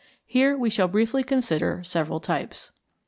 Here we shall briefly consider several types.